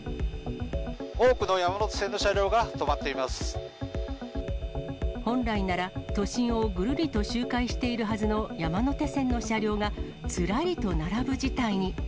多くの山手線の車両が止まっ本来なら、都心をぐるりと周回しているはずの山手線の車両が、ずらりと並ぶ事態に。